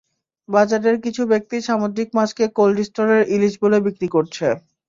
বাজারের কিছু ব্যক্তি সামুদ্রিক মাছকে কোল্ড স্টোরের ইলিশ বলে বিক্রি করছে।